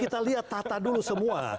kita lihat tata dulu semua